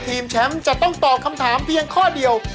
ทีมแชมป์จะต้องตอบคำถามเพียงข้อเดียว